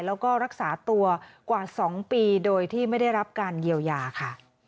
แล้วก็รักษาตัวกว่า๒ปีโดยที่ไม่ได้รับการเยียวยาค่ะ